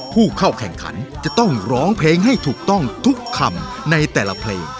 ผู้เข้าแข่งขันจะต้องร้องเพลงให้ถูกต้องทุกคำในแต่ละเพลง